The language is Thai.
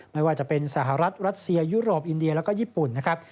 ไม่ว่าจะเป็นสหรัฐรัสเซียยุโรปอินเดียแล้วก็ญี่ปุ่นนะครับ